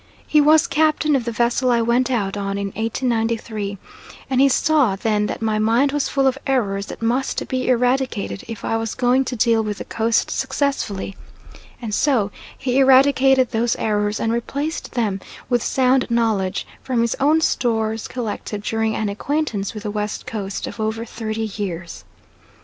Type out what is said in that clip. He was captain of the vessel I went out on in 1893, and he saw then that my mind was full of errors that must be eradicated if I was going to deal with the Coast successfully; and so he eradicated those errors and replaced them with sound knowledge from his own stores collected during an acquaintance with the West Coast of over thirty years.